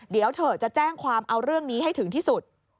เดี๋ยวเธอจะแจ้งความเอาเรื่องนี้ให้ถึงที่สุด